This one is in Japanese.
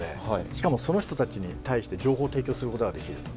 しかもその人たちに対して情報提供することができると。